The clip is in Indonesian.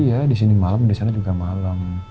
iya disini malem disana juga malem